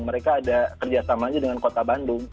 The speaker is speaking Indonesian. mereka ada kerja sama aja dengan kota bandung